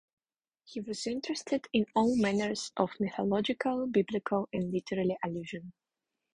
He was interested in all manners of mythological, biblical, and literary allusion.